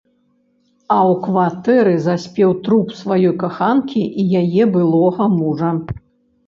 А ў кватэры заспеў труп сваёй каханкі і яе былога мужа.